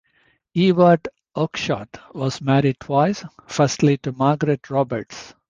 Ewart Oakeshott was married twice, firstly to Margaret Roberts.